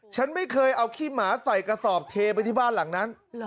ฉันไม่เคยเอาขี้หมาใส่กระสอบเทไปที่บ้านหลังนั้น